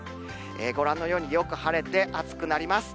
ご覧のようによく晴れて、暑くなります。